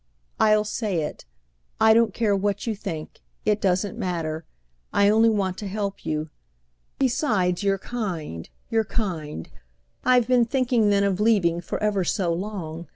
I'll say it; I don't care what you think; it doesn't matter; I only want to help you. Besides, you're kind—you're kind. I've been thinking then of leaving for ever so long.